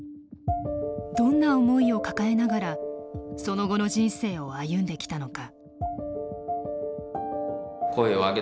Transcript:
どんな思いを抱えながらその後の人生を歩んできたのか。